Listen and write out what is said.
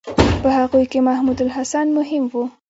په هغوی کې محمودالحسن مهم و.